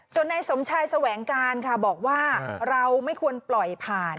ส่วนนายสมชายแสวงการค่ะบอกว่าเราไม่ควรปล่อยผ่าน